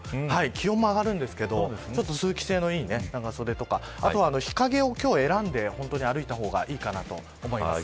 気温も上がるんですけどちょっと通気性のいい長袖とか日陰を選んで歩いた方がいいかなと思います。